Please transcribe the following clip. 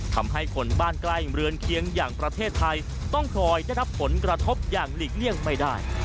ทำให้คนบ้านใกล้เมืองเคียงอย่างประเทศไทยต้องคอยได้รับผลกระทบอย่างหลีกเลี่ยงไม่ได้